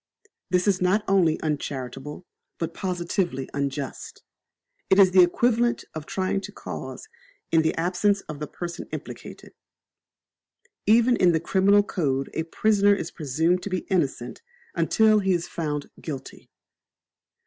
This is not only uncharitable, but positively unjust. It is equivalent to trying a cause in the absence of the person implicated. Even in the criminal code a prisoner is presumed to be innocent until he is found guilty.